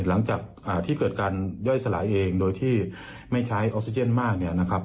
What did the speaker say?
หลังจากที่เกิดการย่อยสลายเองโดยที่ไม่ใช้ออกซิเจนมากเนี่ยนะครับ